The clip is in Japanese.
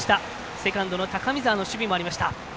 セカンドの高見澤の守備もありました。